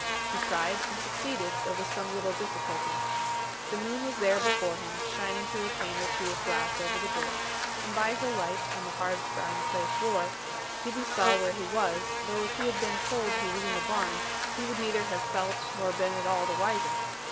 He tried and succeeded, though with some little difficulty. The moon was there before him, shining through a pane or two of glass over the door, and by her light on the hard brown clay floor, Gibbie saw where he was, though if he had been told he was in the barn, he would neither have felt nor been at all the wiser.